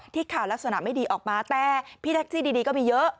ข่าวลักษณะไม่ดีออกมาแต่พี่แท็กซี่ดีก็มีเยอะ